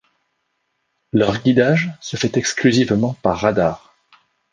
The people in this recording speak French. Leur guidage se fait exclusivement par radar.